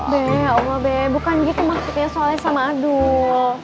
be ya allah be bukan gitu maksudnya soleh sama adul